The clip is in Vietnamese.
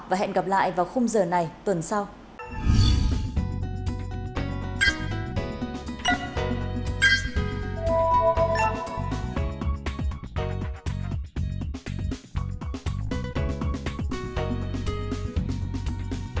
là hạnh phúc của chúng tôi